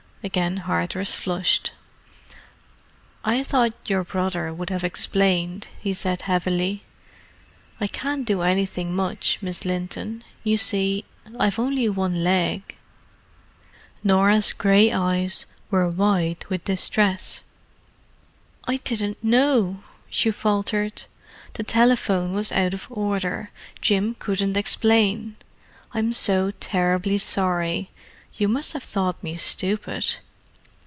Again Hardress flushed. "I thought your brother would have explained," he said heavily. "I can't do anything much, Miss Linton. You see, I've only one leg." Norah's grey eyes were wide with distress. "I didn't know," she faltered. "The telephone was out of order—Jim couldn't explain. I'm so terribly sorry—you must have thought me stupid."